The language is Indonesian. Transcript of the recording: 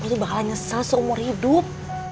kamu tuh bakal nyesel seumur hidup